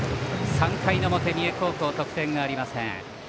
３回の表、三重高校得点がありません。